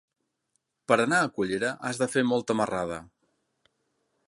Per anar a Cullera has de fer molta marrada.